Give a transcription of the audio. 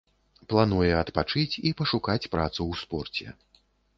Плануе адпачыць і пашукаць працу ў спорце.